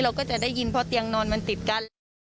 เราก็จะได้ยินพอเตียงนอนมันติดกัน